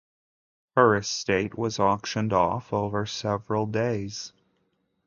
Her estate was auctioned off over several days.